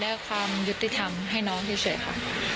แค่อยากได้ความยุติธรรมให้น้องเฉยค่ะ